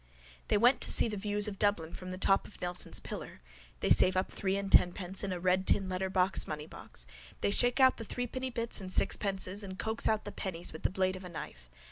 —They want to see the views of Dublin from the top of Nelson's pillar. They save up three and tenpence in a red tin letterbox moneybox. They shake out the threepenny bits and sixpences and coax out the pennies with the blade of a knife.